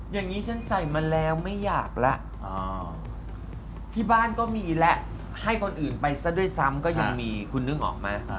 อย่างนี้ฉันใส่มาแล้วไม่อยากแล้วที่บ้านก็มีแล้วให้คนอื่นไปซะด้วยซ้ำก็ยังมีคุณนึกออกไหม